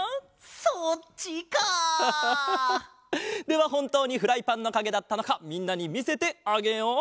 ではほんとうにフライパンのかげだったのかみんなにみせてあげよう。